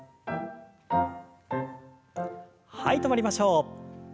はい止まりましょう。